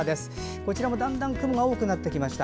こちらもだんだん雲が多くなってきました。